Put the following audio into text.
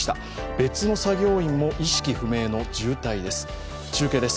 別の作業員も意識不明の重体です。